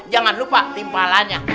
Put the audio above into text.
jangan lupa timpalannya